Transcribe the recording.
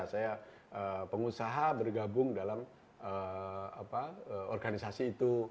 saya pengusaha bergabung dalam organisasi itu